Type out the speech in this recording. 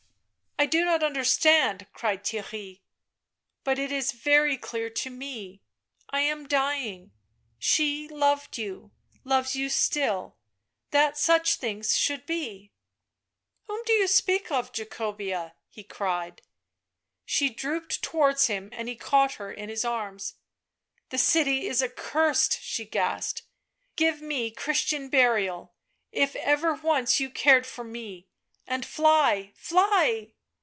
..."" I do not understand," cried Theirry. " But it is very clear to me — I am dying — she loved you, loves you still — that such things should be. ..."" Whom do you speak of — Jacobea?" he cried. She drooped towards him and he caught her in his arms. " The city is accursed," she gasped ;" give me Chris tian burial, if ever once you cared for me, and fly, fly